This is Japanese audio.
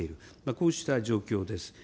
こうした状況です。